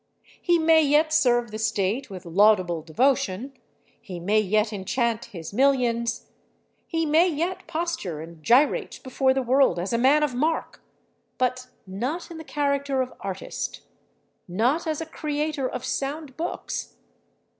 He may yet serve the state with laudable devotion; he may yet enchant his millions; he may yet posture and gyrate before the world as a man of mark. But not in the character of artist. Not as a creator of sound books.